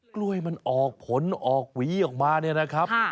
กล้วยมันออกผลออกหวีออกมาเนี่ยนะครับ